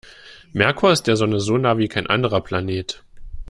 Merkur ist der Sonne so nah wie kein anderer Planet.